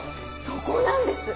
そこなんです